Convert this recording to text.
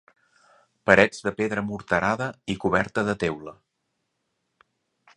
Parets de pedra morterada i coberta de teula.